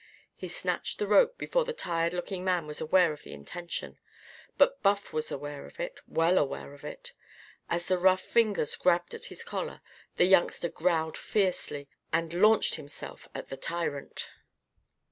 He snatched the rope before the tired looking man was aware of the intention. But Buff was aware of it well aware of it. As the rough fingers grabbed at his collar, the youngster growled fiercely and launched himself at the tyrant.